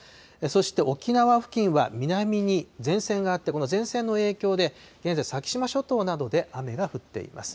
そして沖縄付近は南に前線があって、この前線の影響で、現在、先島諸島などで雨が降っています。